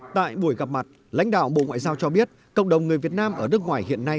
tại buổi gặp mặt lãnh đạo bộ ngoại giao cho biết cộng đồng người việt nam ở nước ngoài hiện nay